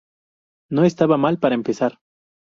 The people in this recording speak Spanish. No estaba mal, para empezar.